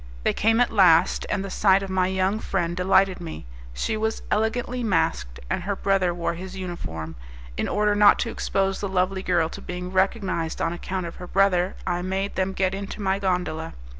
They came at last, and the sight of my young friend delighted me. She was elegantly masked, and her brother wore his uniform. In order not to expose the lovely girl to being recognized on account of her brother, I made them get into my gondola.